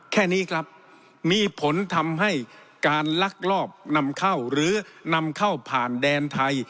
แค่นี้ครับมีผลทำให้การลักลอบนำเข้าหรือนำเข้าผ่านแดนไทย